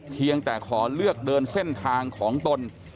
เพียงแต่ขอเลือกเดินเส้นทางของตน